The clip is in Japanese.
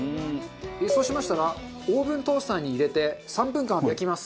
そうしましたらオーブントースターに入れて３分間焼きます。